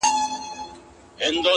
چي ښکلي سترګي ستا وویني؛